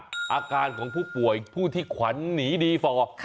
อาการของผู้ป่วยผู้ที่ขวัญหนีดีฟอร์